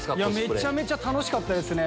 めちゃめちゃ楽しかったですね